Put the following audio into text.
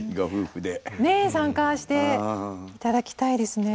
ねえ参加して頂きたいですね。